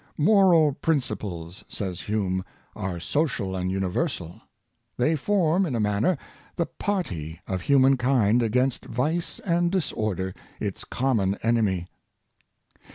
^' Moral principles," says Hume, " are social and universal. They form, in a manner, the party of humankind against vice and disorder, its common enemy."